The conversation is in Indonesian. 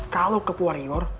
kalau ke puarior